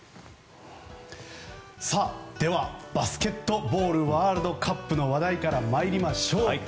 では、バスケットボールワールドカップの話題から参りましょうか。